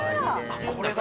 ◆これだ。